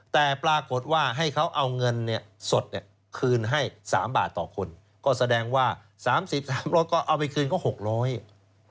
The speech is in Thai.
แต่ปรากฏว่าให้เขาเอาเงินเนี่ยสดเนี่ยคืนให้๓บาทต่อคนก็แสดงว่า๓๐๓๐๐ก็เอาไปคืนเขา๖๐๐บาท